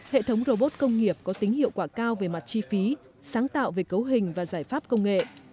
hệ thống robot công nghiệp có tính hiệu quả cao về mặt chi phí sáng tạo về cấu hình và giải pháp công nghệ